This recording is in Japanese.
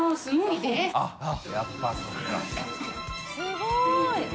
すごい！